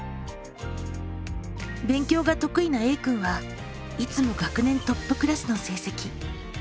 勉強が得意なＡくんはいつも学年トップクラスの成績。